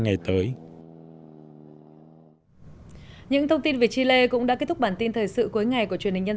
ngày tới những thông tin về chile cũng đã kết thúc bản tin thời sự cuối ngày của truyền hình nhân